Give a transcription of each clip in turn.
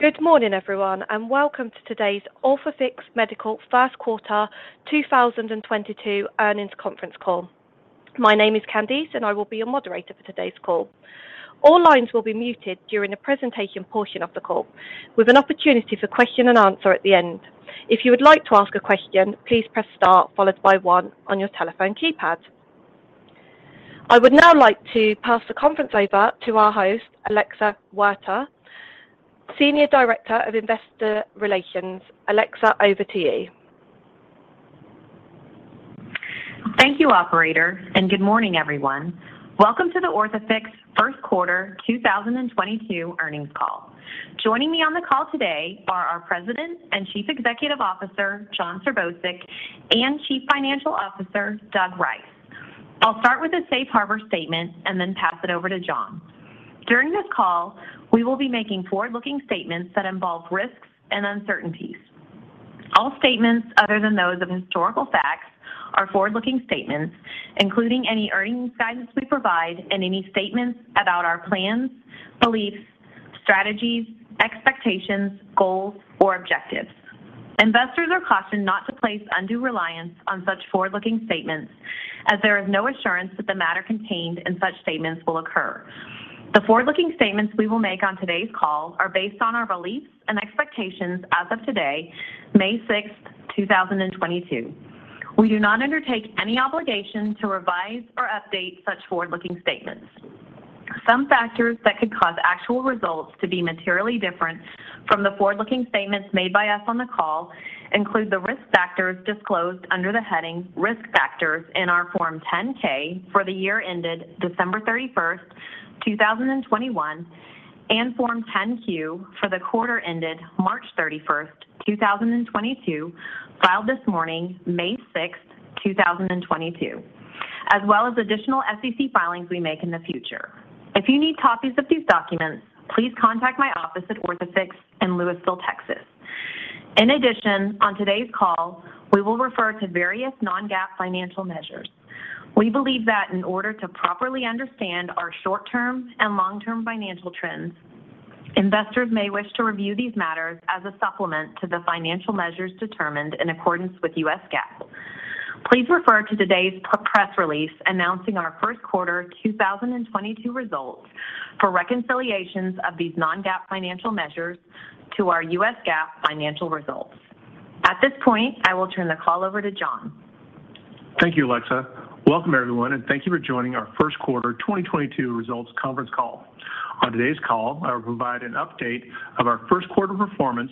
Good morning, everyone, and welcome to today's Orthofix Medical first quarter 2022 earnings conference call. My name is Candice, and I will be your moderator for today's call. All lines will be muted during the presentation portion of the call with an opportunity for question and answer at the end. If you would like to ask a question, please press star followed by one on your telephone keypad. I would now like to pass the conference over to our host, Alexa Huerta, Senior Director of investor relations. Alexa, over to you. Thank you, operator, and good morning, everyone. Welcome to the Orthofix first quarter 2022 earnings call. Joining me on the call today are our President and Chief Executive Officer, Jon Serbousek, and Chief Financial Officer, Doug Rice. I'll start with a safe harbor statement and then pass it over to Jon. During this call, we will be making forward-looking statements that involve risks and uncertainties. All statements other than those of historical facts are forward-looking statements, including any earnings guidance we provide and any statements about our plans, beliefs, strategies, expectations, goals, or objectives. Investors are cautioned not to place undue reliance on such forward-looking statements as there is no assurance that the matter contained in such statements will occur. The forward-looking statements we will make on today's call are based on our beliefs and expectations as of today, May 6th, 2022. We do not undertake any obligation to revise or update such forward-looking statements. Some factors that could cause actual results to be materially different from the forward-looking statements made by us on the call include the risk factors disclosed under the heading Risk Factors in our Form 10-K for the year ended December 31st, 2021, and Form 10-Q for the quarter ended March 31st, 2022, filed this morning, May 6th, 2022, as well as additional SEC filings we make in the future. If you need copies of these documents, please contact my office at Orthofix in Lewisville, Texas. In addition, on today's call, we will refer to various non-GAAP financial measures. We believe that in order to properly understand our short-term and long-term financial trends, investors may wish to review these matters as a supplement to the financial measures determined in accordance with U.S. GAAP. Please refer to today's press release announcing our first quarter 2022 results for reconciliations of these non-GAAP financial measures to our U.S. GAAP financial results. At this point, I will turn the call over to Jon. Thank you, Alexa. Welcome, everyone, and thank you for joining our first quarter 2022 results conference call. On today's call, I will provide an update of our first quarter performance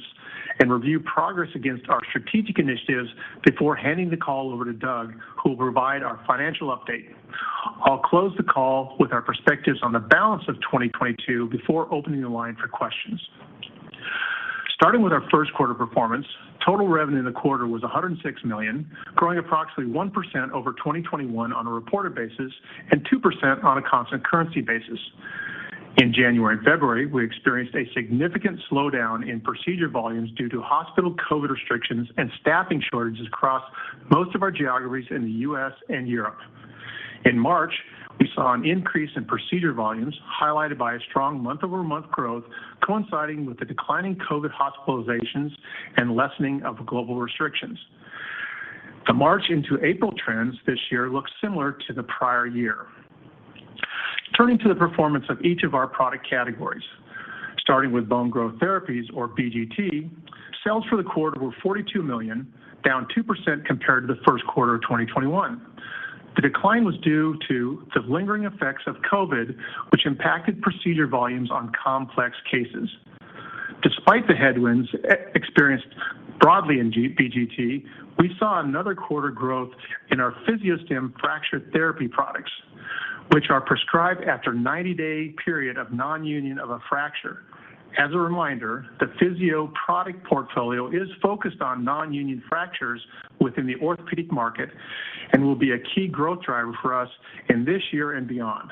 and review progress against our strategic initiatives before handing the call over to Doug, who will provide our financial update. I'll close the call with our perspectives on the balance of 2022 before opening the line for questions. Starting with our first quarter performance, total revenue in the quarter was $106 million, growing approximately 1% over 2021 on a reported basis and 2% on a constant currency basis. In January and February, we experienced a significant slowdown in procedure volumes due to hospital COVID restrictions and staffing shortages across most of our geographies in the U.S. and Europe. In March, we saw an increase in procedure volumes, highlighted by a strong month-over-month growth coinciding with the declining COVID hospitalizations and lessening of global restrictions. The March into April trends this year look similar to the prior year. Turning to the performance of each of our product categories, starting with Bone Growth Therapies or BGT, sales for the quarter were $42 million, down 2% compared to the first quarter of 2021. The decline was due to the lingering effects of COVID, which impacted procedure volumes on complex cases. Despite the headwinds experienced broadly in BGT, we saw another quarter growth in our PhysioStim fracture therapy products, which are prescribed after 90-day period of nonunion of a fracture. As a reminder, the Physio product portfolio is focused on nonunion fractures within the orthopedic market and will be a key growth driver for us in this year and beyond.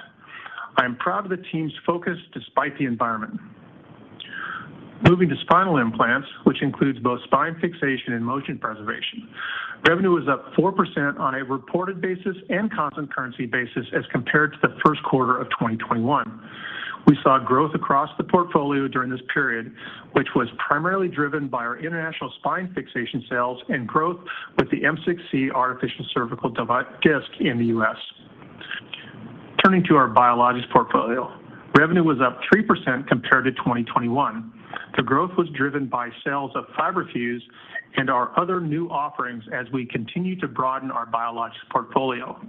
I am proud of the team's focus despite the environment. Moving to spinal implants, which includes both spine fixation and motion preservation. Revenue was up 4% on a reported basis and constant currency basis as compared to the first quarter of 2021. We saw growth across the portfolio during this period, which was primarily driven by our international spine fixation sales and growth with the M6-C Artificial Cervical Disc in the U.S. Turning to our biologics portfolio, revenue was up 3% compared to 2021. The growth was driven by sales of FiberFuse and our other new offerings as we continue to broaden our biologics portfolio.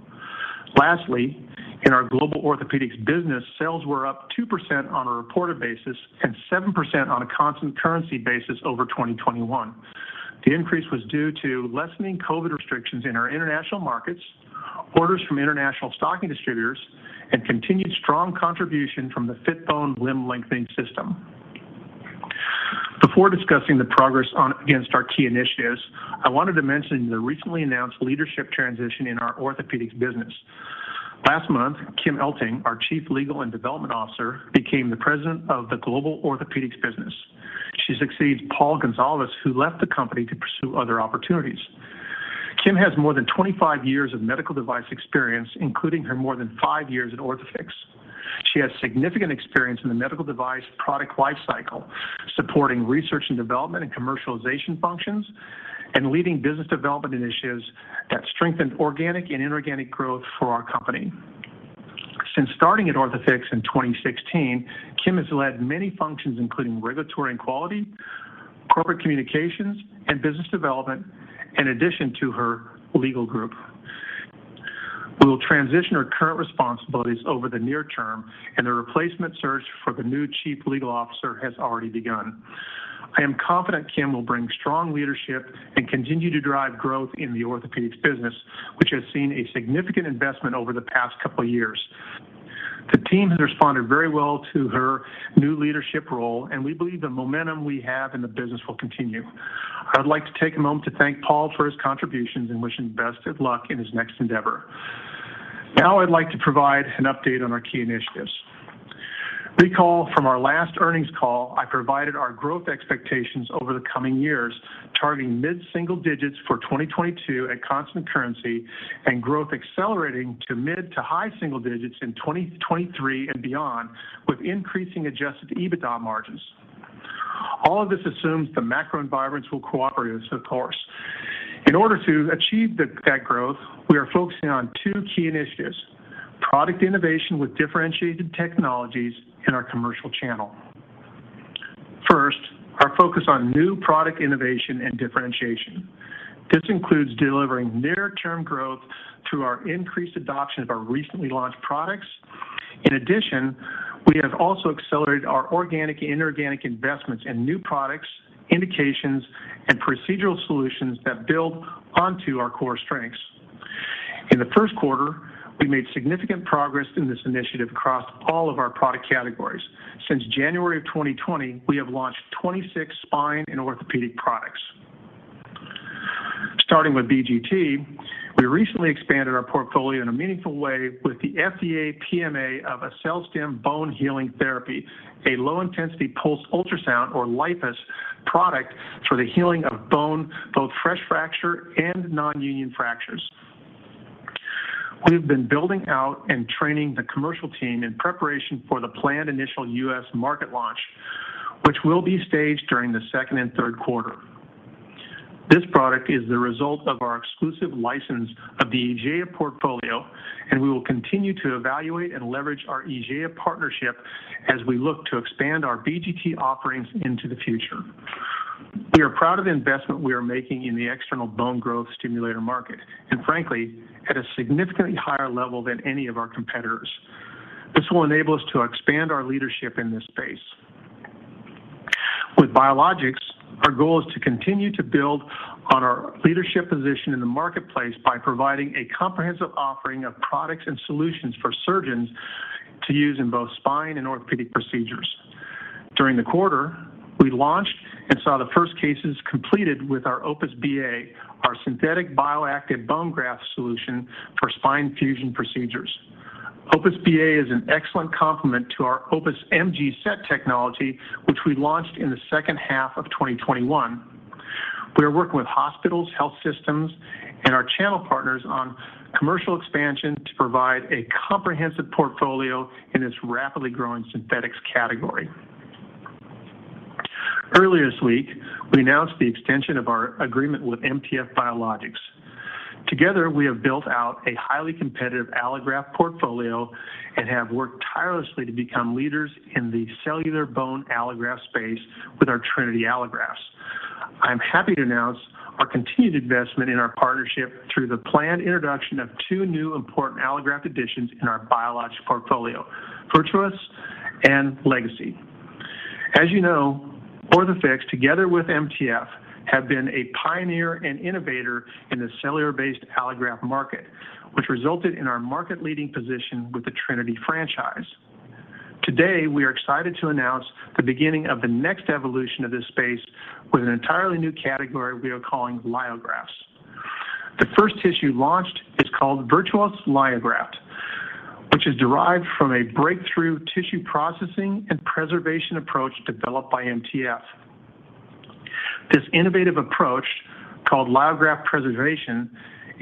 Lastly, in our global orthopedics business, sales were up 2% on a reported basis and 7% on a constant currency basis over 2021. The increase was due to lessening COVID restrictions in our international markets, orders from international stocking distributors, and continued strong contribution from the Fitbone Limb Lengthening system. Before discussing the progress against our key initiatives, I wanted to mention the recently announced leadership transition in our orthopedics business. Last month, Kim Elting, our Chief Legal and Development Officer, became the President of the global orthopedics business. She succeeds Paul Gonzales, who left the company to pursue other opportunities. Kim has more than 25 years of medical device experience, including her more than five years at Orthofix. She has significant experience in the medical device product life cycle, supporting research and development and commercialization functions, and leading business development initiatives that strengthen organic and inorganic growth for our company. Since starting at Orthofix in 2016, Kim has led many functions, including regulatory and quality, corporate communications, and business development, in addition to her legal group. We will transition her current responsibilities over the near term, and the replacement search for the new chief legal officer has already begun. I am confident Kim will bring strong leadership and continue to drive growth in the Orthopedics business, which has seen a significant investment over the past couple of years. The team has responded very well to her new leadership role, and we believe the momentum we have in the business will continue. I'd like to take a moment to thank Paul for his contributions and wish him best of luck in his next endeavor. Now I'd like to provide an update on our key initiatives. Recall from our last earnings call, I provided our growth expectations over the coming years, targeting mid-single digits for 2022 at constant currency and growth accelerating to mid-to-high single digits in 2023 and beyond, with increasing adjusted EBITDA margins. All of this assumes the macro environments will cooperate with us, of course. In order to achieve that growth, we are focusing on two key initiatives, product innovation with differentiated technologies in our commercial channel. First, our focus on new product innovation and differentiation. This includes delivering near-term growth through our increased adoption of our recently launched products. In addition, we have also accelerated our organic and inorganic investments in new products, indications, and procedural solutions that build onto our core strengths. In the first quarter, we made significant progress in this initiative across all of our product categories. Since January 2020, we have launched 26 spine and orthopedic products. Starting with BGT, we recently expanded our portfolio in a meaningful way with the FDA PMA of AccelStim bone healing therapy, a low-intensity pulsed ultrasound, or LIPUS, product for the healing of bone, both fresh fracture and non-union fractures. We've been building out and training the commercial team in preparation for the planned initial U.S. market launch, which will be staged during the second and third quarter. This product is the result of our exclusive license of the IGEA portfolio, and we will continue to evaluate and leverage our IGEA partnership as we look to expand our BGT offerings into the future. We are proud of the investment we are making in the external bone growth stimulator market, and frankly, at a significantly higher level than any of our competitors. This will enable us to expand our leadership in this space. With biologics, our goal is to continue to build on our leadership position in the marketplace by providing a comprehensive offering of products and solutions for surgeons to use in both spine and orthopedic procedures. During the quarter, we launched and saw the first cases completed with our Opus BA, our synthetic bioactive bone graft solution for spine fusion procedures. Opus BA is an excellent complement to our Opus Mg Set technology, which we launched in the second half of 2021. We are working with hospitals, health systems, and our channel partners on commercial expansion to provide a comprehensive portfolio in this rapidly growing synthetics category. Earlier this week, we announced the extension of our agreement with MTF Biologics. Together, we have built out a highly competitive allograft portfolio and have worked tirelessly to become leaders in the cellular bone allograft space with our Trinity allografts. I'm happy to announce our continued investment in our partnership through the planned introduction of two new important allograft additions in our biologics portfolio, Virtuos and Legacy. As you know, Orthofix, together with MTF, have been a pioneer and innovator in the cellular-based allograft market, which resulted in our market-leading position with the Trinity franchise. Today, we are excited to announce the beginning of the next evolution of this space with an entirely new category we are calling Lyografts. The first tissue launched is called Virtuos Lyograft, which is derived from a breakthrough tissue processing and preservation approach developed by MTF. This innovative approach, called Lyograft preservation,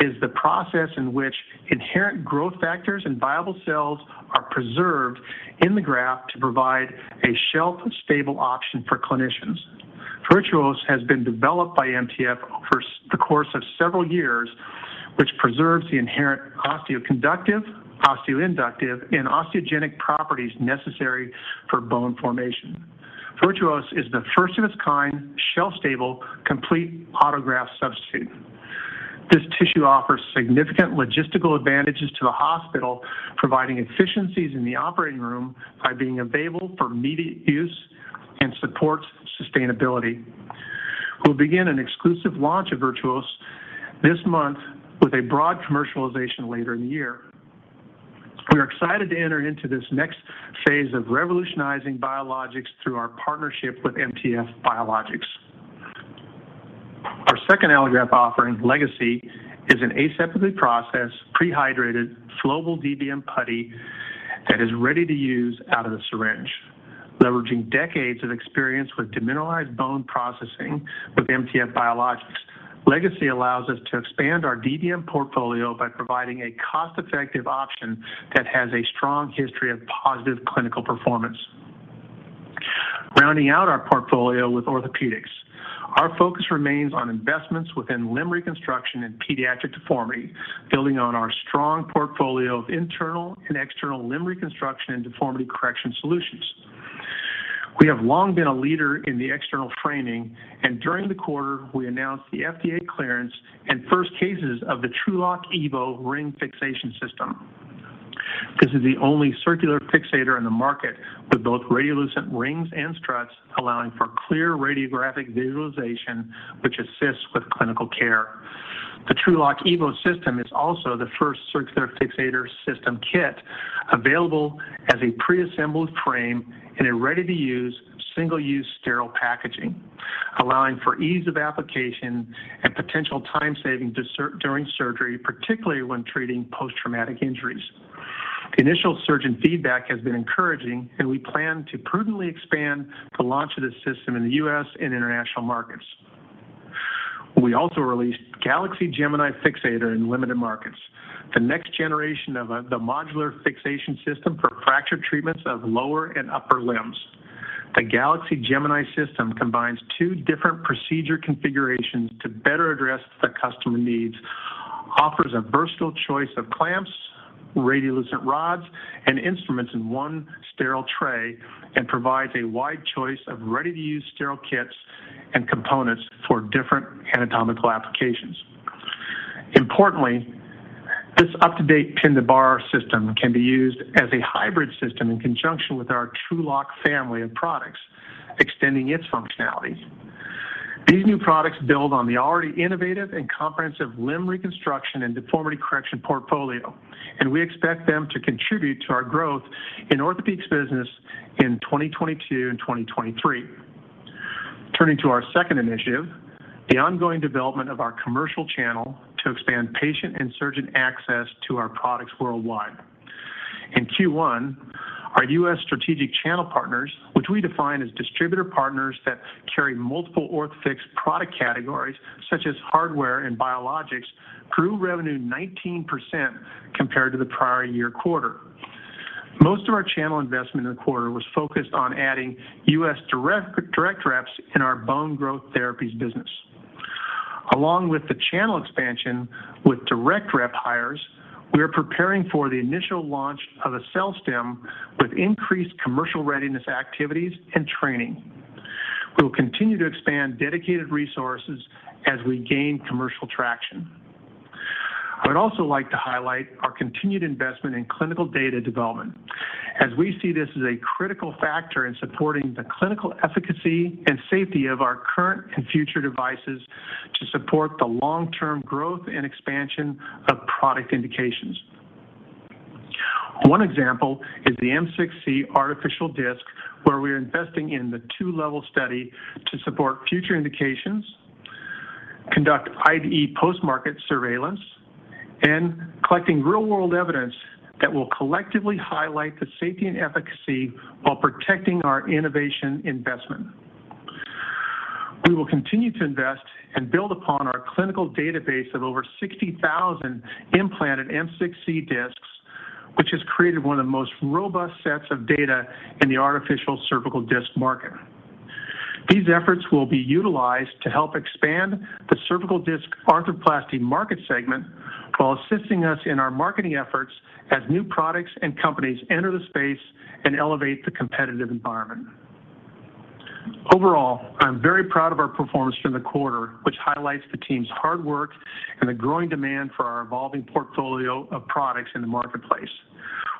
is the process in which inherent growth factors and viable cells are preserved in the graft to provide a shelf-stable option for clinicians. Virtuos has been developed by MTF over the course of several years, which preserves the inherent osteoconductive, osteoinductive, and osteogenic properties necessary for bone formation. Virtuos is the first of its kind, shelf-stable, complete autograft substitute. This tissue offers significant logistical advantages to the hospital, providing efficiencies in the operating room by being available for immediate use and supports sustainability. We'll begin an exclusive launch of Virtuos this month with a broad commercialization later in the year. We are excited to enter into this next phase of revolutionizing biologics through our partnership with MTF Biologics. Our second allograft offering, Legacy, is an aseptically processed, pre-hydrated, flowable DBM putty. That is ready to use out of the syringe. Leveraging decades of experience with demineralized bone processing with MTF Biologics. Legacy allows us to expand our DBM portfolio by providing a cost-effective option that has a strong history of positive clinical performance. Rounding out our portfolio with orthopedics. Our focus remains on investments within limb reconstruction and pediatric deformity, building on our strong portfolio of internal and external limb reconstruction and deformity correction solutions. We have long been a leader in the external fixation, and during the quarter, we announced the FDA clearance and first cases of the TrueLok EVO Ring Fixation System. This is the only circular fixator in the market with both radiolucent rings and struts, allowing for clear radiographic visualization, which assists with clinical care. The TrueLok EVO System is also the first circular fixator system kit available as a preassembled frame in a ready-to-use, single-use sterile packaging, allowing for ease of application and potential time saving during surgery, particularly when treating post-traumatic injuries. The initial surgeon feedback has been encouraging, and we plan to prudently expand the launch of this system in the U.S. and international markets. We also released Galaxy Fixation Gemini in limited markets, the next generation of the modular fixation system for fracture treatments of lower and upper limbs. The Galaxy Gemini system combines two different procedure configurations to better address the customer needs, offers a versatile choice of clamps, radiolucent rods, and instruments in one sterile tray, and provides a wide choice of ready-to-use sterile kits and components for different anatomical applications. Importantly, this up-to-date pin-to-bar system can be used as a hybrid system in conjunction with our TrueLok family of products, extending its functionalities. These new products build on the already innovative and comprehensive limb reconstruction and deformity correction portfolio, and we expect them to contribute to our growth in orthopedics business in 2022 and 2023. Turning to our second initiative, the ongoing development of our commercial channel to expand patient and surgeon access to our products worldwide. In Q1, our U.S. strategic channel partners, which we define as distributor partners that carry multiple Orthofix product categories such as hardware and biologics, grew revenue 19% compared to the prior year quarter. Most of our channel investment in the quarter was focused on adding U.S. direct reps in our Bone Growth Therapies business. Along with the channel expansion with direct rep hires, we are preparing for the initial launch of AccelStim with increased commercial readiness activities and training. We'll continue to expand dedicated resources as we gain commercial traction. I would also like to highlight our continued investment in clinical data development as we see this as a critical factor in supporting the clinical efficacy and safety of our current and future devices to support the long-term growth and expansion of product indications. One example is the M6-C Artificial Disc, where we are investing in the two-level study to support future indications, conduct IDE post-market surveillance, and collecting real-world evidence that will collectively highlight the safety and efficacy while protecting our innovation investment. We will continue to invest and build upon our clinical database of over 60,000 implanted M6-C discs, which has created one of the most robust sets of data in the artificial cervical disc market. These efforts will be utilized to help expand the cervical disc arthroplasty market segment while assisting us in our marketing efforts as new products and companies enter the space and elevate the competitive environment. Overall, I'm very proud of our performance during the quarter, which highlights the team's hard work and the growing demand for our evolving portfolio of products in the marketplace.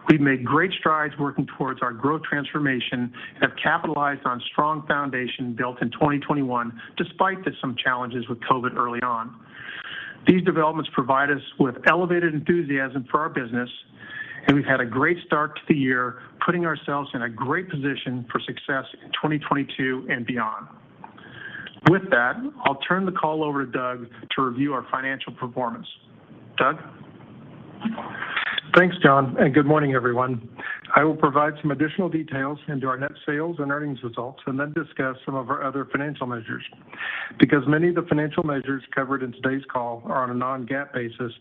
We've made great strides working towards our growth transformation and have capitalized on strong foundation built in 2021 despite some challenges with COVID early on. These developments provide us with elevated enthusiasm for our business, and we've had a great start to the year, putting ourselves in a great position for success in 2022 and beyond. With that, I'll turn the call over to Doug to review our financial performance. Doug? Thanks, Jon, and good morning, everyone. I will provide some additional details into our net sales and earnings results and then discuss some of our other financial measures. Because many of the financial measures covered in today's call are on a non-GAAP basis,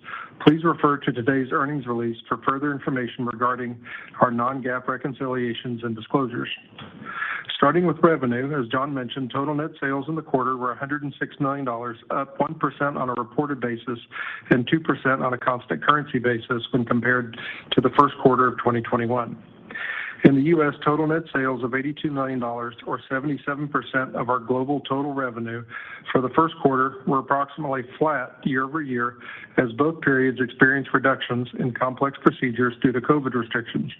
please refer to today's earnings release for further information regarding our non-GAAP reconciliations and disclosures. Starting with revenue, as Jon mentioned, total net sales in the quarter were $106 million, up 1% on a reported basis and 2% on a constant currency basis when compared to the first quarter of 2021. In the U.S., total net sales of $82 million or 77% of our global total revenue for the first quarter were approximately flat year-over-year as both periods experienced reductions in complex procedures due to COVID restrictions.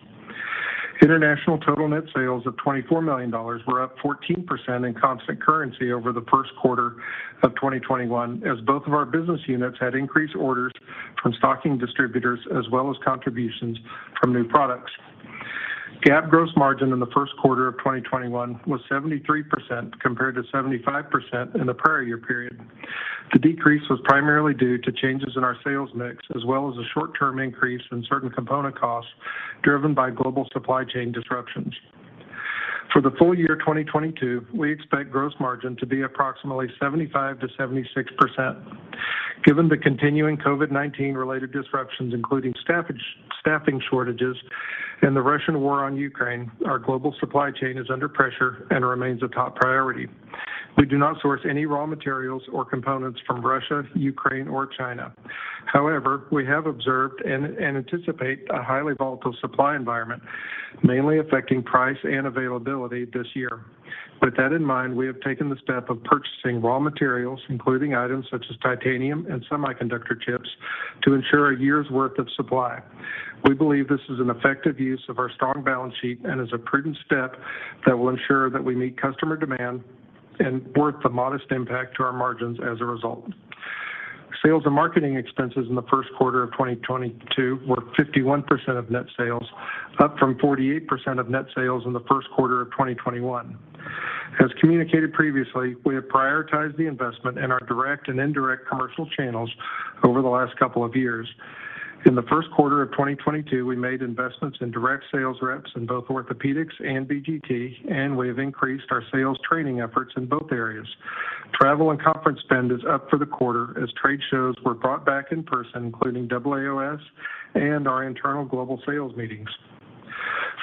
International total net sales of $24 million were up 14% in constant currency over the first quarter of 2021 as both of our business units had increased orders from stocking distributors as well as contributions from new products. GAAP gross margin in the first quarter of 2021 was 73% compared to 75% in the prior year period. The decrease was primarily due to changes in our sales mix, as well as a short-term increase in certain component costs driven by global supply chain disruptions. For the full year 2022, we expect gross margin to be approximately 75%-76%. Given the continuing COVID-19 related disruptions, including staffing shortages and the Russian war on Ukraine, our global supply chain is under pressure and remains a top priority. We do not source any raw materials or components from Russia, Ukraine, or China. However, we have observed and anticipate a highly volatile supply environment, mainly affecting price and availability this year. With that in mind, we have taken the step of purchasing raw materials, including items such as titanium and semiconductor chips to ensure a year's worth of supply. We believe this is an effective use of our strong balance sheet and is a prudent step that will ensure that we meet customer demand and worth the modest impact to our margins as a result. Sales and marketing expenses in the first quarter of 2022 were 51% of net sales, up from 48% of net sales in the first quarter of 2021. As communicated previously, we have prioritized the investment in our direct and indirect commercial channels over the last couple of years. In the first quarter of 2022, we made investments in direct sales reps in both orthopedics and BGT, and we have increased our sales training efforts in both areas. Travel and conference spend is up for the quarter as trade shows were brought back in person, including AAOS and our internal global sales meetings.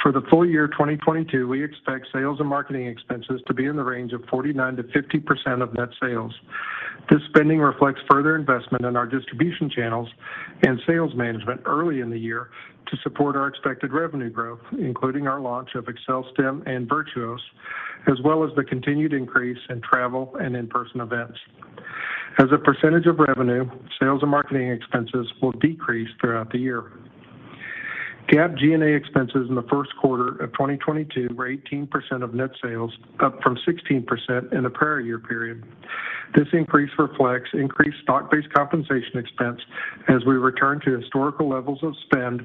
For the full year 2022, we expect sales and marketing expenses to be in the range of 49%-50% of net sales. This spending reflects further investment in our distribution channels and sales management early in the year to support our expected revenue growth, including our launch of AccelStim and Virtuos, as well as the continued increase in travel and in-person events. As a percentage of revenue, sales and marketing expenses will decrease throughout the year. GAAP G&A expenses in the first quarter of 2022 were 18% of net sales, up from 16% in the prior year period. This increase reflects increased stock-based compensation expense as we return to historical levels of spend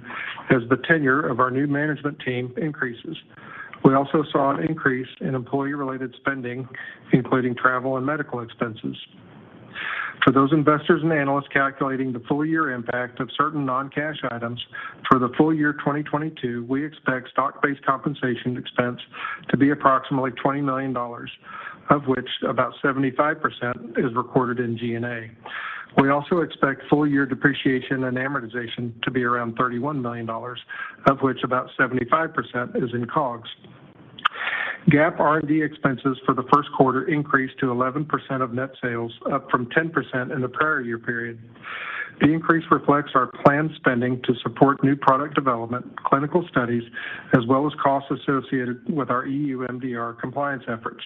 as the tenure of our new management team increases. We also saw an increase in employee-related spending, including travel and medical expenses. For those investors and analysts calculating the full year impact of certain non-cash items for the full year 2022, we expect stock-based compensation expense to be approximately $20 million, of which about 75% is recorded in G&A. We also expect full year depreciation and amortization to be around $31 million, of which about 75% is in COGS. GAAP R&D expenses for the first quarter increased to 11% of net sales, up from 10% in the prior year period. The increase reflects our planned spending to support new product development, clinical studies, as well as costs associated with our EU MDR compliance efforts.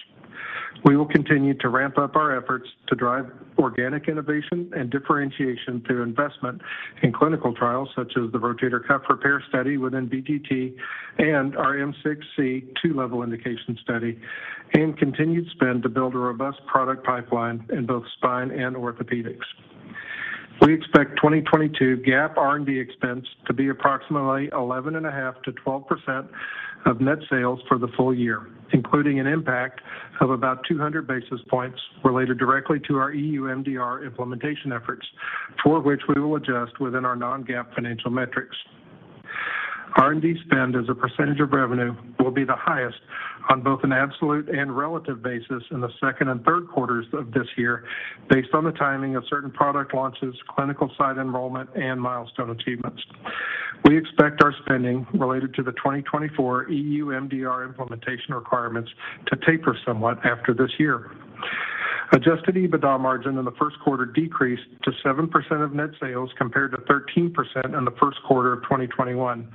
We will continue to ramp up our efforts to drive organic innovation and differentiation through investment in clinical trials such as the rotator cuff repair study within BGT and our M6-C two-level indication study and continued spend to build a robust product pipeline in both spine and orthopedics. We expect 2022 GAAP R&D expense to be approximately 11.5%-12% of net sales for the full year, including an impact of about 200 basis points related directly to our EU MDR implementation efforts, for which we will adjust within our non-GAAP financial metrics. R&D spend as a percentage of revenue will be the highest on both an absolute and relative basis in the second and third quarters of this year based on the timing of certain product launches, clinical site enrollment, and milestone achievements. We expect our spending related to the 2024 EU MDR implementation requirements to taper somewhat after this year. Adjusted EBITDA margin in the first quarter decreased to 7% of net sales, compared to 13% in the first quarter of 2021,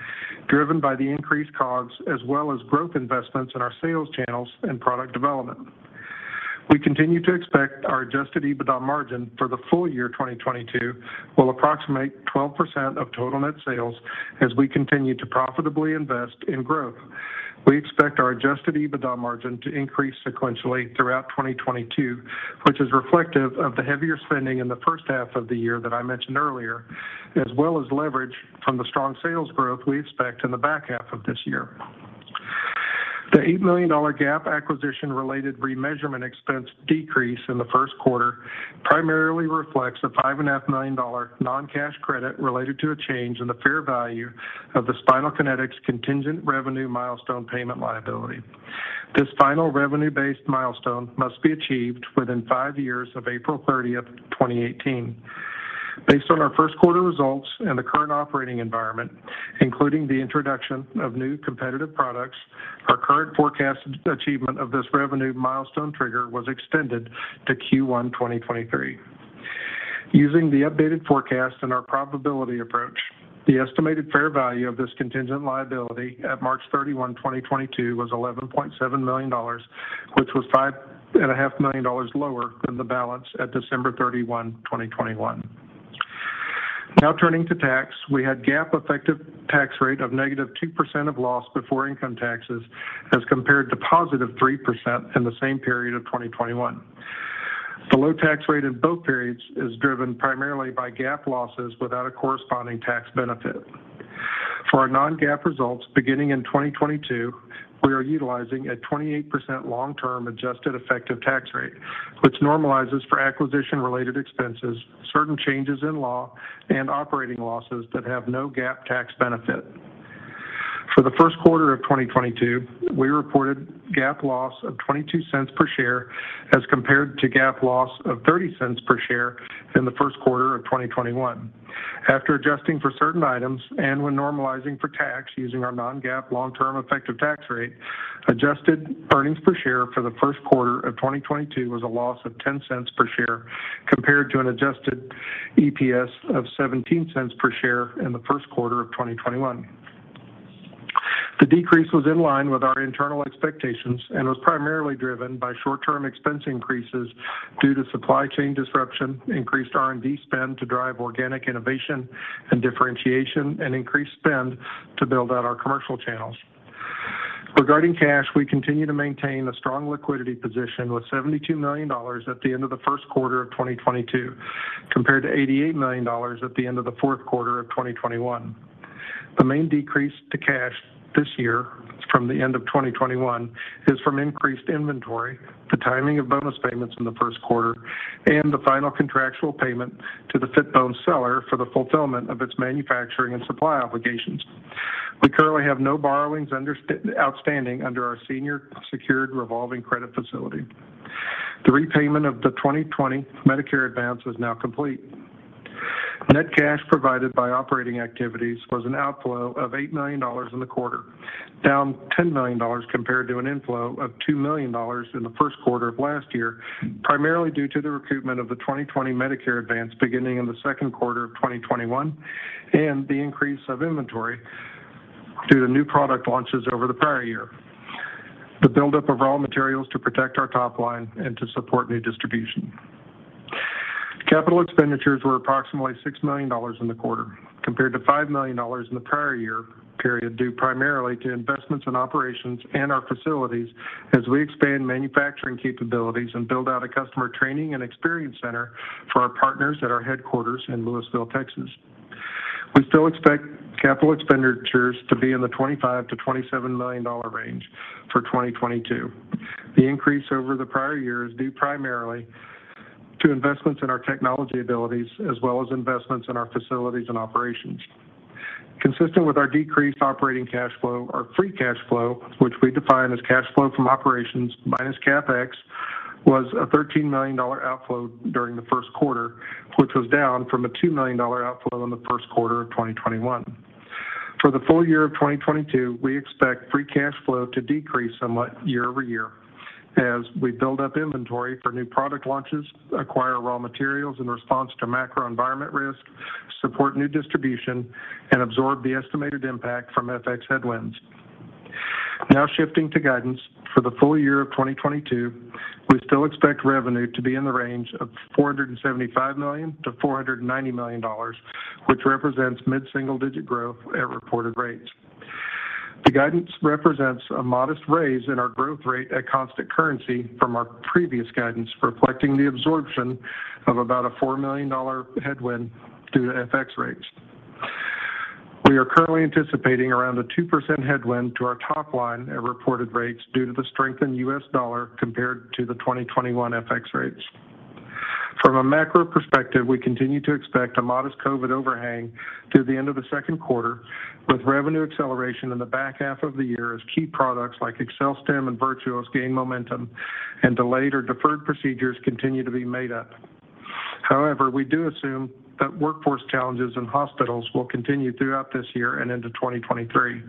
driven by the increased COGS as well as growth investments in our sales channels and product development. We continue to expect our adjusted EBITDA margin for the full year 2022 will approximate 12% of total net sales as we continue to profitably invest in growth. We expect our adjusted EBITDA margin to increase sequentially throughout 2022, which is reflective of the heavier spending in the first half of the year that I mentioned earlier, as well as leverage from the strong sales growth we expect in the back half of this year. The $8 million GAAP acquisition-related remeasurement expense decrease in the first quarter primarily reflects a $5.5 million non-cash credit related to a change in the fair value of the Spinal Kinetics contingent revenue milestone payment liability. This final revenue-based milestone must be achieved within five years of April 30th, 2018. Based on our first quarter results and the current operating environment, including the introduction of new competitive products, our current forecast achievement of this revenue milestone trigger was extended to Q1 2023. Using the updated forecast and our probability approach, the estimated fair value of this contingent liability at March 31, 2022 was $11.7 million, which was $5.5 million lower than the balance at December 31, 2021. Now, turning to tax, we had GAAP effective tax rate of -2% of loss before income taxes as compared to +3% in the same period of 2021. The low tax rate in both periods is driven primarily by GAAP losses without a corresponding tax benefit. For our non-GAAP results beginning in 2022, we are utilizing a 28% long-term adjusted effective tax rate, which normalizes for acquisition-related expenses, certain changes in law and operating losses that have no GAAP tax benefit. For the first quarter of 2022, we reported GAAP loss of $0.22 per share as compared to GAAP loss of $0.30 per share in the first quarter of 2021. After adjusting for certain items and when normalizing for tax using our non-GAAP long-term effective tax rate, adjusted earnings per share for the first quarter of 2022 was a loss of $0.10 per share compared to an adjusted EPS of $0.17 per share in the first quarter of 2021. The decrease was in line with our internal expectations and was primarily driven by short-term expense increases due to supply chain disruption, increased R&D spend to drive organic innovation and differentiation, and increased spend to build out our commercial channels. Regarding cash, we continue to maintain a strong liquidity position with $72 million at the end of the first quarter of 2022, compared to $88 million at the end of the fourth quarter of 2021. The main decrease to cash this year from the end of 2021 is from increased inventory, the timing of bonus payments in the first quarter, and the final contractual payment to the Fitbone seller for the fulfillment of its manufacturing and supply obligations. We currently have no borrowings outstanding under our senior secured revolving credit facility. The repayment of the 2020 Medicare advance is now complete. Net cash provided by operating activities was an outflow of $8 million in the quarter, down $10 million compared to an inflow of $2 million in the first quarter of last year, primarily due to the recoupment of the 2020 Medicare advance beginning in the second quarter of 2021 and the increase of inventory due to new product launches over the prior year. The buildup of raw materials to protect our top line and to support new distribution. Capital expenditures were approximately $6 million in the quarter, compared to $5 million in the prior year period, due primarily to investments in operations and our facilities as we expand manufacturing capabilities and build out a customer training and experience center for our partners at our headquarters in Lewisville, Texas. We still expect capital expenditures to be in the $25 million-$27 million range for 2022. The increase over the prior year is due primarily to investments in our technology abilities as well as investments in our facilities and operations. Consistent with our decreased operating cash flow, our free cash flow, which we define as cash flow from operations minus CapEx, was a $13 million outflow during the first quarter, which was down from a $2 million outflow in the first quarter of 2021. For the full year of 2022, we expect free cash flow to decrease somewhat year-over-year as we build up inventory for new product launches, acquire raw materials in response to macro environment risk, support new distribution, and absorb the estimated impact from FX headwinds. Now shifting to guidance. For the full year of 2022, we still expect revenue to be in the range of $475 million-$490 million, which represents mid-single-digit growth at reported rates. The guidance represents a modest raise in our growth rate at constant currency from our previous guidance, reflecting the absorption of about a $4 million headwind due to FX rates. We are currently anticipating around a 2% headwind to our top line at reported rates due to the strengthened U.S. dollar compared to the 2021 FX rates. From a macro perspective, we continue to expect a modest COVID overhang through the end of the second quarter, with revenue acceleration in the back half of the year as key products like AccelStim and Virtuos gain momentum and delayed or deferred procedures continue to be made up. However, we do assume that workforce challenges in hospitals will continue throughout this year and into 2023.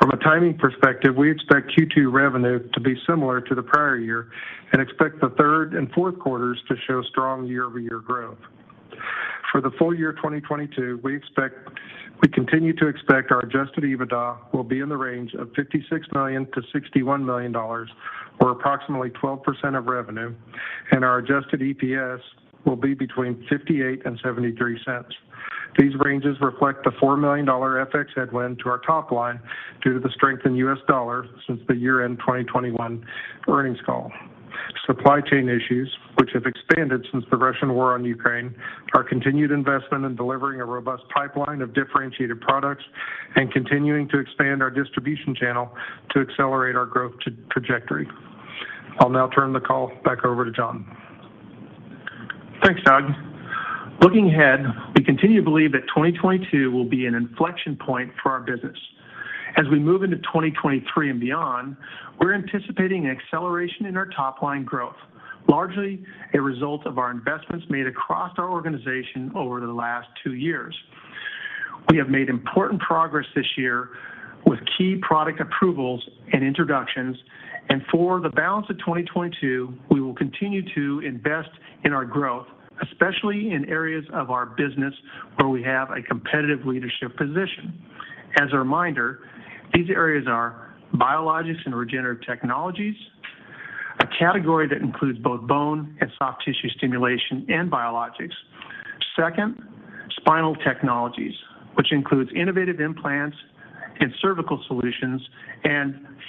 From a timing perspective, we expect Q2 revenue to be similar to the prior year and expect the third and fourth quarters to show strong year-over-year growth. For the full year 2022, we continue to expect our adjusted EBITDA will be in the range of $56 million-$61 million, or approximately 12% of revenue, and our adjusted EPS will be between $0.58-$0.73. These ranges reflect the $4 million FX headwind to our top line due to the strength in U.S. dollar since the year-end 2021 earnings call. Supply chain issues which have expanded since the Russian war on Ukraine, our continued investment in delivering a robust pipeline of differentiated products, and continuing to expand our distribution channel to accelerate our growth trajectory. I'll now turn the call back over to Jon. Thanks, Doug. Looking ahead, we continue to believe that 2022 will be an inflection point for our business. As we move into 2023 and beyond, we're anticipating an acceleration in our top line growth, largely a result of our investments made across our organization over the last two years. We have made important progress this year with key product approvals and introductions, and for the balance of 2022, we will continue to invest in our growth, especially in areas of our business where we have a competitive leadership position. As a reminder, these areas are biologics and regenerative technologies, a category that includes both bone and soft tissue stimulation and biologics. Second, spinal technologies, which includes innovative implants and cervical solutions.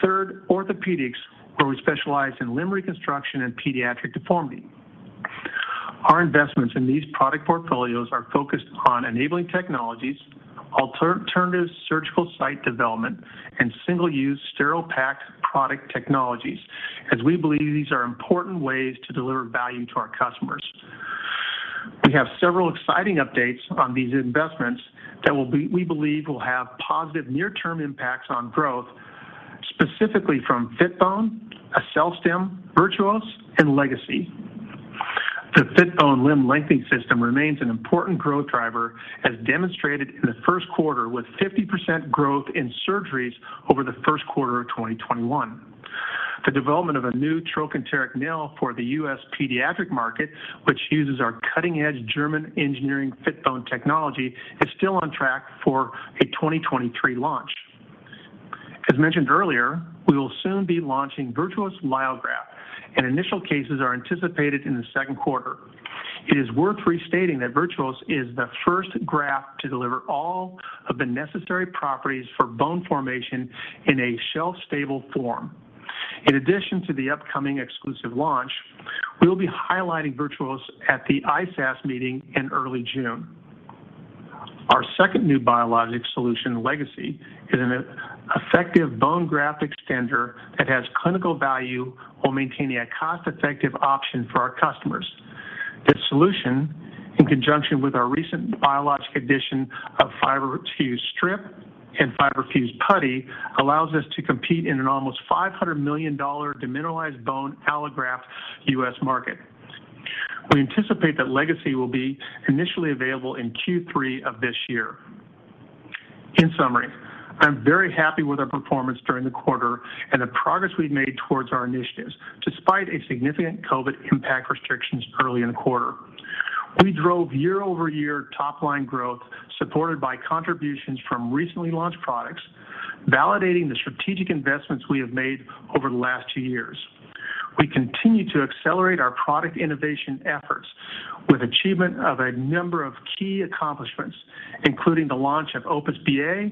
Third, orthopedics, where we specialize in limb reconstruction and pediatric deformity. Our investments in these product portfolios are focused on enabling technologies, alternative surgical site development, and single-use sterile packed product technologies as we believe these are important ways to deliver value to our customers. We have several exciting updates on these investments that we believe will have positive near-term impacts on growth, specifically from Fitbone, AccelStim, Virtuos, and Legacy. The Fitbone Limb Lengthening System remains an important growth driver, as demonstrated in the first quarter, with 50% growth in surgeries over the first quarter of 2021. The development of a new trochanteric nail for the U.S. pediatric market, which uses our cutting-edge German engineering Fitbone technology, is still on track for a 2023 launch. As mentioned earlier, we will soon be launching Virtuos Lyograft, and initial cases are anticipated in the second quarter. It is worth restating that Virtuos is the first graft to deliver all of the necessary properties for bone formation in a shelf-stable form. In addition to the upcoming exclusive launch, we will be highlighting Virtuos at the ISASS meeting in early June. Our second new biologic solution, Legacy, is an effective bone graft extender that has clinical value while maintaining a cost-effective option for our customers. This solution, in conjunction with our recent biologic addition of FiberFuse Strip and FiberFuse Putty, allows us to compete in an almost $500 million demineralized bone allograft U.S. market. We anticipate that Legacy will be initially available in Q3 of this year. In summary, I'm very happy with our performance during the quarter and the progress we've made towards our initiatives despite a significant COVID impact restrictions early in the quarter. We drove year-over-year top line growth, supported by contributions from recently launched products, validating the strategic investments we have made over the last two years. We continue to accelerate our product innovation efforts with achievement of a number of key accomplishments, including the launch of Opus BA,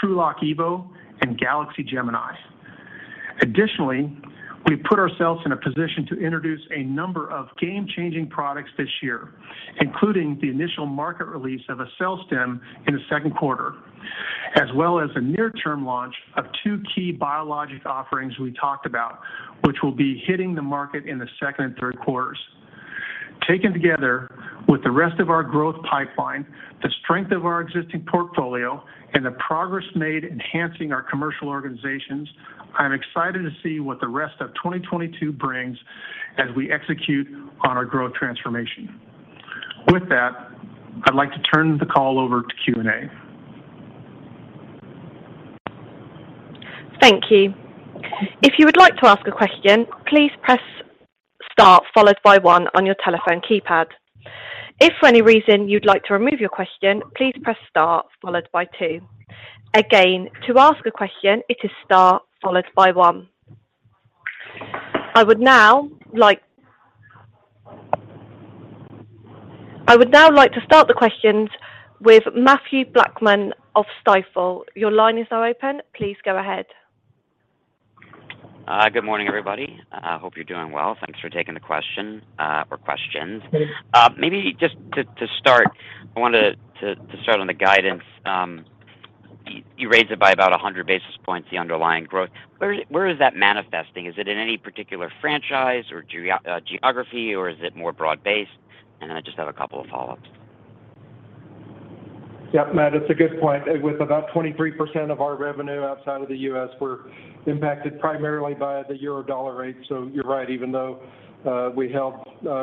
TrueLok EVO, and Galaxy Gemini. Additionally, we put ourselves in a position to introduce a number of game-changing products this year, including the initial market release of AccelStim in the second quarter, as well as a near-term launch of two key biologic offerings we talked about, which will be hitting the market in the second and third quarters. Taken together with the rest of our growth pipeline, the strength of our existing portfolio and the progress made enhancing our commercial organizations, I'm excited to see what the rest of 2022 brings as we execute on our growth transformation. With that, I'd like to turn the call over to Q&A. Thank you. If you would like to ask a question, please press star followed by one on your telephone keypad. If for any reason you'd like to remove your question, please press star followed by two. Again, to ask a question, it is star followed by one. I would now like to start the questions with Mathew Blackman of Stifel. Your line is now open. Please go ahead. Good morning, everybody. Hope you're doing well. Thanks for taking the question, or questions. Maybe just to start, I wanted to start on the guidance. You raised it by about 100 basis points, the underlying growth. Where is that manifesting? Is it in any particular franchise or geography, or is it more broad based? Then I just have a couple of follow-ups. Yeah, Mat, it's a good point. With about 23% of our revenue outside of the U.S., we're impacted primarily by the euro dollar rate. You're right, even though we held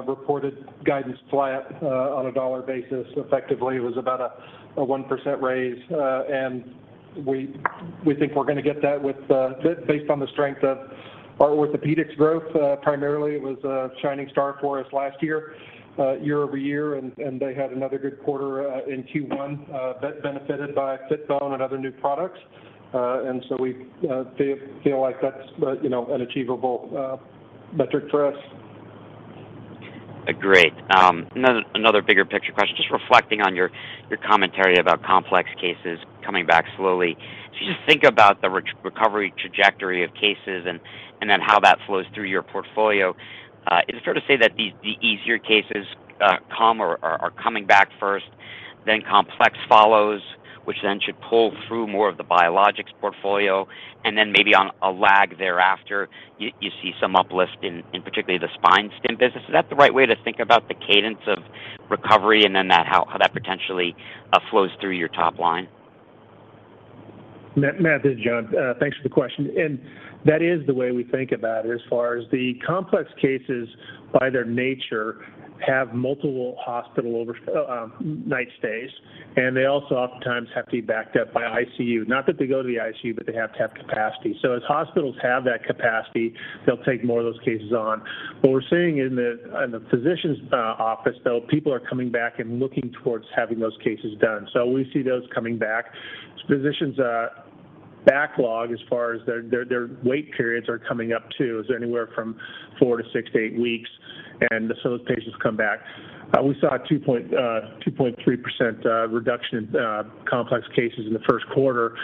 reported guidance flat on a dollar basis, effectively it was about a 1% raise. We think we're gonna get that based on the strength of our orthopedics growth. Primarily it was a shining star for us last year year-over-year, and they had another good quarter in Q1 that benefited by Fitbone and other new products. We feel like that's you know an achievable metric for us. Great. Another bigger picture question, just reflecting on your commentary about complex cases coming back slowly. You just think about the recovery trajectory of cases and then how that flows through your portfolio. Is it fair to say that the easier cases come or are coming back first, then complex follows, which then should pull through more of the biologics portfolio, and then maybe on a lag thereafter, you see some uplift in particularly the spine stim business? Is that the right way to think about the cadence of recovery and then how that potentially flows through your top line? Mathew, this is Jon. Thanks for the question. That is the way we think about it as far as the complex cases by their nature have multiple hospital overnight stays. They also oftentimes have to be backed up by ICU. Not that they go to the ICU, but they have to have capacity. As hospitals have that capacity, they'll take more of those cases on. What we're seeing in the physician's office, though, people are coming back and looking towards having those cases done. We see those coming back. Physicians' backlog as far as their wait periods are coming up too is anywhere from four to six to eight weeks. Those patients come back. We saw a 2.3% reduction in complex cases in the first quarter.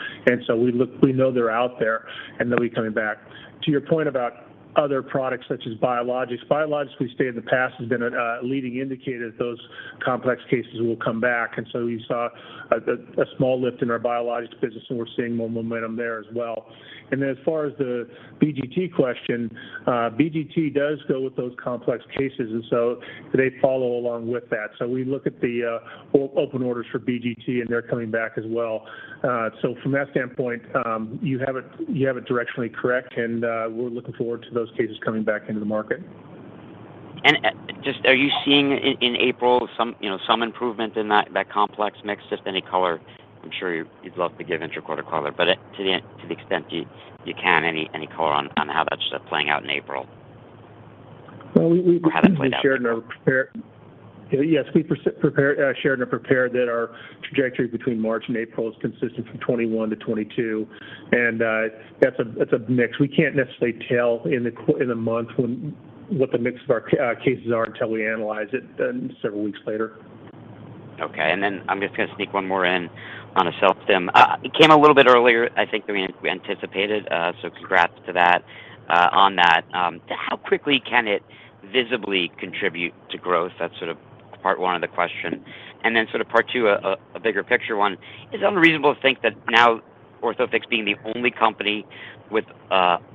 We know they're out there and they'll be coming back. To your point about other products such as biologics. Biologics, we state in the past, has been a leading indicator that those complex cases will come back. We saw a small lift in our biologics business, and we're seeing more momentum there as well. As far as the BGT question, BGT does go with those complex cases. They follow along with that. We look at the open orders for BGT, and they're coming back as well. From that standpoint, you have it directionally correct, and we're looking forward to those cases coming back into the market. Just, are you seeing in April some, you know, some improvement in that complex mix? Just any color. I'm sure you'd love to give intra-quarter color, but to the extent you can, any color on how that's playing out in April. Well, we. How that played out. Yes, we prepared, shared and are prepared that our trajectory between March and April is consistent from 2021 to 2022. That's a mix. We can't necessarily tell in the month what the mix of our cases are until we analyze it then several weeks later. Okay. I'm just gonna sneak one more in on AccelStim. It came a little bit earlier, I think, than we anticipated. So congrats on that. How quickly can it visibly contribute to growth? That's sort of part one of the question. Sort of part two, a bigger picture one, is it unreasonable to think that now Orthofix being the only company with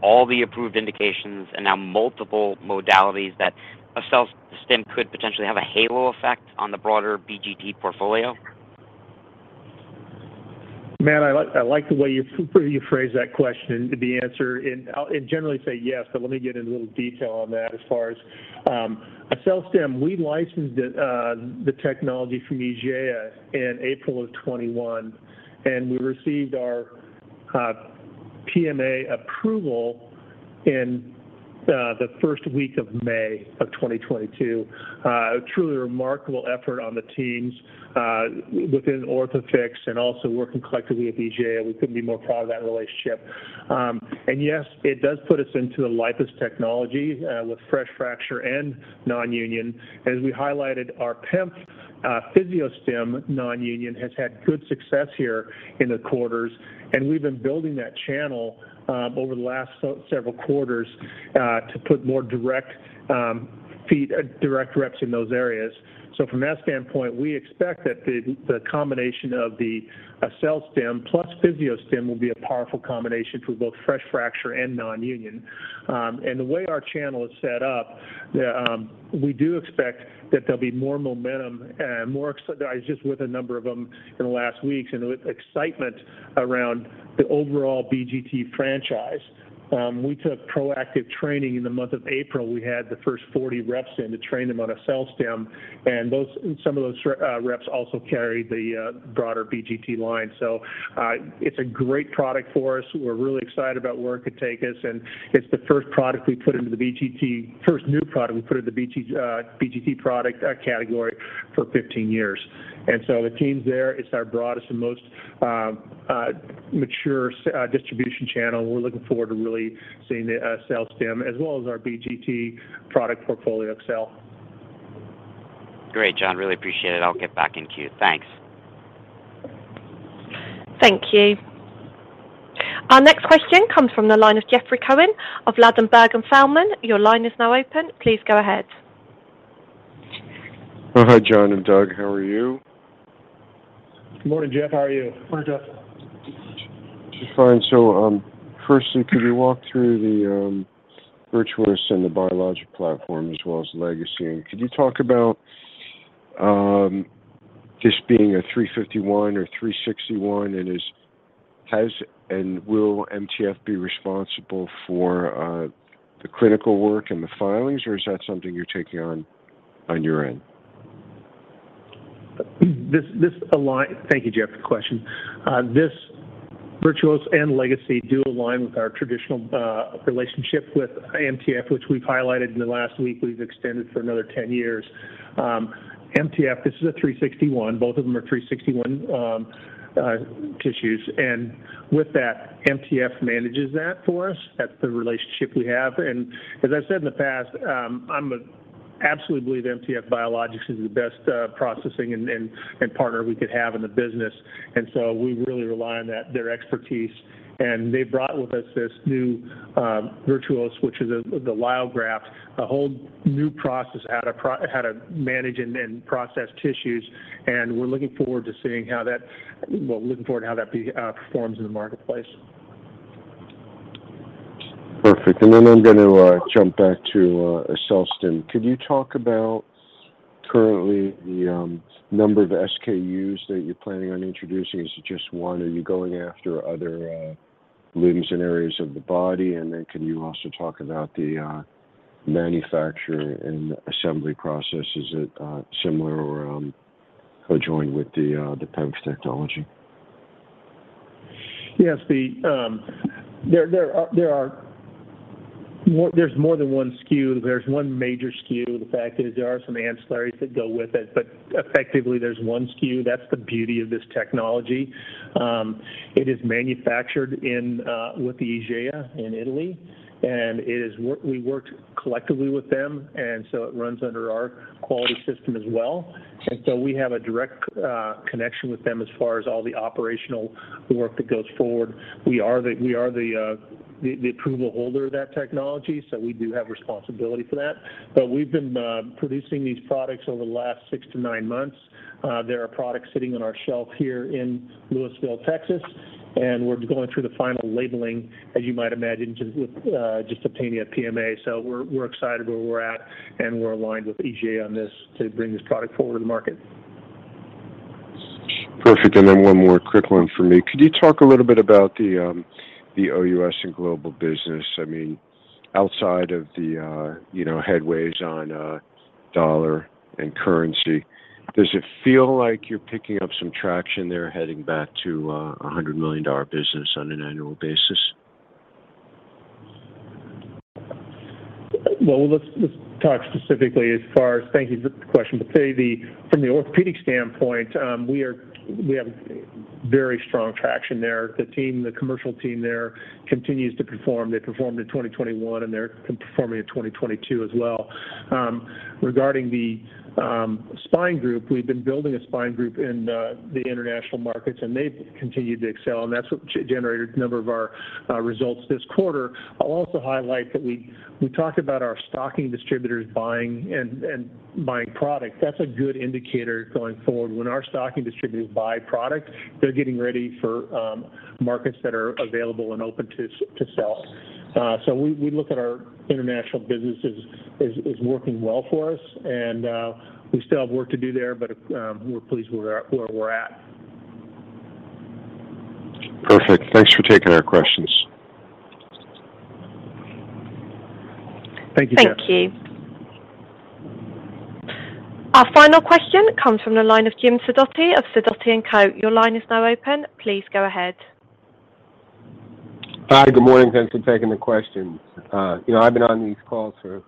all the approved indications and now multiple modalities that an AccelStim could potentially have a halo effect on the broader BGT portfolio? Man, I like the way you phrase that question to be answered. I'll generally say yes, but let me get into a little detail on that. As far as AccelStim, we licensed it the technology from IGEA in April 2021. We received our PMA approval in the first week of May of 2022. Truly remarkable effort on the teams within Orthofix and also working collectively with IGEA. We couldn't be more proud of that relationship. Yes, it does put us into the LIPUS technology with fresh fracture and non-union. As we highlighted, our PEMF PhysioStim non-union has had good success here in the quarters, and we've been building that channel over the last several quarters to put more direct reps in those areas. From that standpoint, we expect that the combination of the AccelStim plus PhysioStim will be a powerful combination for both fresh fracture and non-union. The way our channel is set up, we do expect that there'll be more momentum and more excitement around the overall BGT franchise. I was just with a number of them in the last weeks. We took proactive training in the month of April. We had the first 40 reps in to train them on an AccelStim, and some of those reps also carry the broader BGT line. It's a great product for us. We're really excited about where it could take us, and it's the first new product we put in the BGT product category for 15 years. The team's there. It's our broadest and most mature distribution channel. We're looking forward to really seeing the AccelStim as well as our BGT product portfolio excel. Great, Jon. Really appreciate it. I'll get back in queue. Thanks. Thank you. Our next question comes from the line of Jeffrey Cohen of Ladenburg Thalmann. Your line is now open. Please go ahead. Oh, hi, Jon and Doug. How are you? Good morning, Jeff. How are you? Morning, Jeff. Just fine. Firstly, could you walk through the Virtuos and the biologic platform as well as Legacy? And could you talk about this being a 351 or 361, and has and will MTF be responsible for the clinical work and the filings, or is that something you're taking on on your end? Thank you, Jeff, for the question. This Virtuos and Legacy do align with our traditional relationship with MTF, which we've highlighted in the last week. We've extended for another 10 years. MTF, this is a 361. Both of them are 361 tissues. With that, MTF manages that for us. That's the relationship we have. As I said in the past, I absolutely believe MTF Biologics is the best processing and partner we could have in the business. We really rely on that, their expertise. They brought with us this new Virtuos, which is a the Lyograft, a whole new process how to manage and then process tissues. We're looking forward to how that performs in the marketplace. Perfect. I'm going to jump back to AccelStim. Could you talk about currently the number of SKUs that you're planning on introducing? Is it just one? Are you going after other limbs and areas of the body? Can you also talk about the manufacture and assembly process? Is it similar or conjoined with the PEMF technology? Yes. There are more than one SKU. There's one major SKU. The fact is there are some ancillaries that go with it, but effectively there's one SKU. That's the beauty of this technology. It is manufactured with the IGEA in Italy, and we worked collectively with them, and so it runs under our quality system as well. We have a direct connection with them as far as all the operational work that goes forward. We are the approval holder of that technology, so we do have responsibility for that. We've been producing these products over the last six to nine months. There are products sitting on our shelf here in Lewisville, Texas. We're going through the final labeling, as you might imagine, just with obtaining a PMA. We're excited where we're at, and we're aligned with IGEA on this to bring this product forward to market. Perfect. One more quick one for me. Could you talk a little bit about the OUS and global business? I mean, outside of the, you know, headwinds on, dollar and currency, does it feel like you're picking up some traction there heading back to, a $100 million business on an annual basis? Thank you for the question. From the orthopedic standpoint, we have very strong traction there. The team, the commercial team there continues to perform. They performed in 2021, and they're performing in 2022 as well. Regarding the spine group, we've been building a spine group in the international markets, and they've continued to excel, and that's what generated a number of our results this quarter. I'll also highlight that we talked about our stocking distributors buying and buying products. That's a good indicator going forward. When our stocking distributors buy products, they're getting ready for markets that are available and open to sell. We look at our international business as working well for us. We still have work to do there, but we're pleased where we're at. Perfect. Thanks for taking our questions. Thank you, Jeff. Thank you. Our final question comes from the line of Jim Sidoti of Sidoti & Co. Your line is now open. Please go ahead. Hi. Good morning. Thanks for taking the questions. You know, I've been on these calls for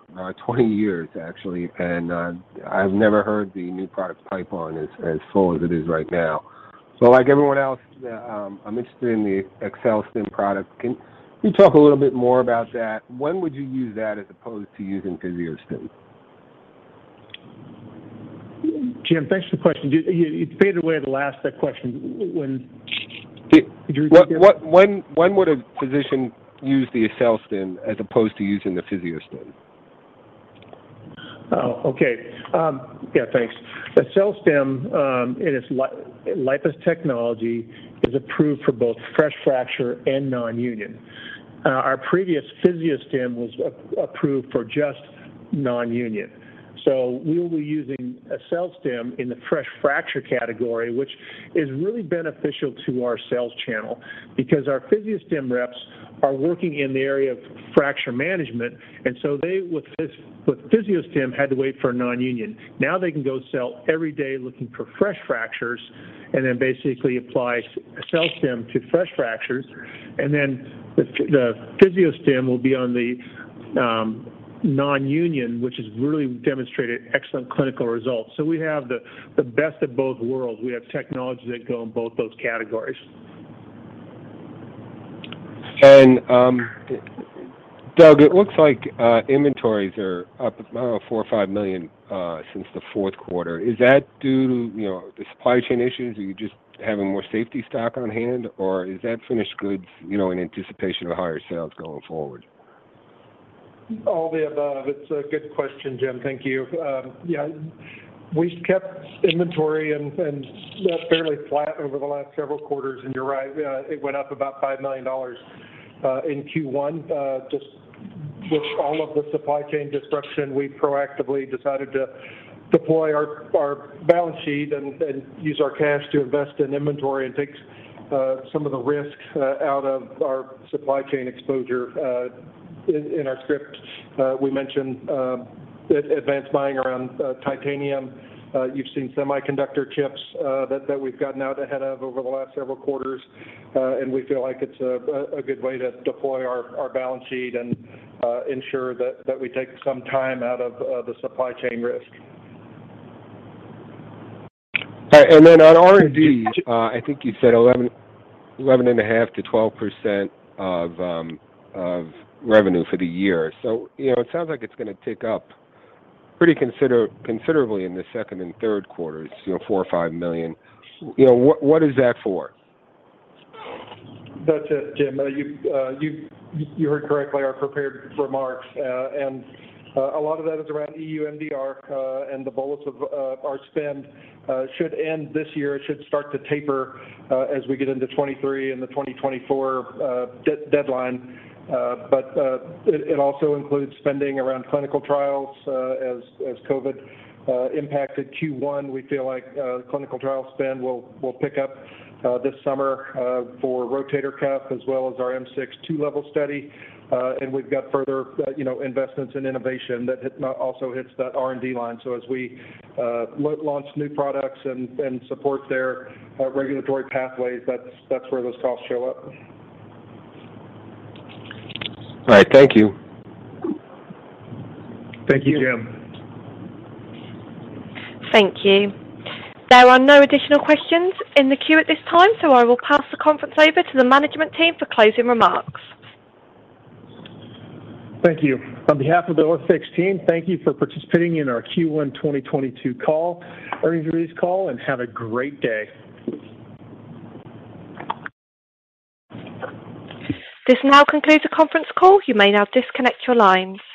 20 years actually, and I've never heard the new product pipeline as full as it is right now. Like everyone else, I'm interested in the AccelStim product. Can you talk a little bit more about that? When would you use that as opposed to using PhysioStim? Jim, thanks for the question. You faded away at the last question. Could you repeat again? When would a physician use the AccelStim as opposed to using the PhysioStim? Oh, okay. Yeah, thanks. AccelStim, it is LIPUS technology is approved for both fresh fracture and nonunion. Our previous PhysioStim was approved for just nonunion. We'll be using AccelStim in the fresh fracture category, which is really beneficial to our sales channel because our PhysioStim reps are working in the area of fracture management. They, with PhysioStim, had to wait for a nonunion. Now they can go sell every day looking for fresh fractures and then basically apply AccelStim to fresh fractures. Then the PhysioStim will be on the nonunion, which has really demonstrated excellent clinical results. We have the best of both worlds. We have technology that go in both those categories. Doug, it looks like inventories are up, I don't know, $4 million or $5 million since the fourth quarter. Is that due to, you know, the supply chain issues? Are you just having more safety stock on hand, or is that finished goods, you know, in anticipation of higher sales going forward? All the above. It's a good question, Jim. Thank you. Yeah, we kept inventory and that's fairly flat over the last several quarters. You're right, it went up about $5 million in Q1. Just with all of the supply chain disruption, we proactively decided to deploy our balance sheet and use our cash to invest in inventory and take some of the risks out of our supply chain exposure. In our script, we mentioned advanced buying around titanium. You've seen semiconductor chips that we've gotten out ahead of over the last several quarters. We feel like it's a good way to deploy our balance sheet and ensure that we take some time out of the supply chain risk. All right. On R&D, I think you said 11.5%-12% of revenue for the year. You know, it sounds like it's gonna tick up pretty considerably in the second and third quarters, you know, $4 million or $5 million. You know, what is that for? That's it, Jim. You heard correctly our prepared remarks. A lot of that is around EU MDR, and the bullets of our spend should end this year. It should start to taper as we get into 2023 and the 2024 deadline. It also includes spending around clinical trials. As COVID impacted Q1, we feel like clinical trial spend will pick up this summer for rotator cuff as well as our M6-C two-level study. We've got further you know investments in innovation that also hits that R&D line. As we launch new products and support their regulatory pathways, that's where those costs show up. All right. Thank you. Thank you, Jim. Thank you. There are no additional questions in the queue at this time, so I will pass the conference over to the management team for closing remarks. Thank you. On behalf of the Orthofix team, thank you for participating in our Q1 2022 call, earnings release call, and have a great day. This now concludes the conference call. You may now disconnect your lines.